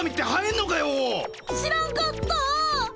知らんかった。